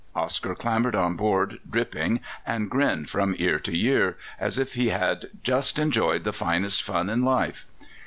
Oscar clambered on board, dripping and grinning from ear to ear, as if he had just enjoyed the finest fun in life.